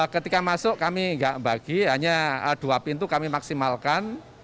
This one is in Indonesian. ketika masuk kami tidak membagi hanya dua pintu kami maksimalkan